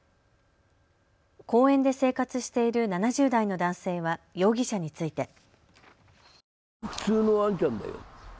公園で生活している７０代の男性は容疑者について。